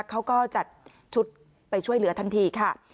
เขาก็จัดชุดไปช่วยเหลือทันทีค่ะ